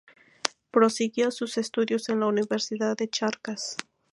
Prosiguió sus estudios en la Universidad de Charcas.